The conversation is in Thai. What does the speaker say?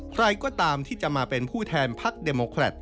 ใครก็ตามที่จะมาเป็นผู้แทนพักเดโมแครต